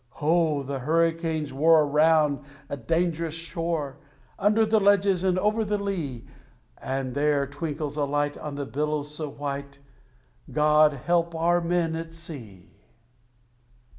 Ho! the hurricanes roar round a dangerous shore, Under the ledges and over the lea; And there twinkles a light on the billows so white God help our men at sea!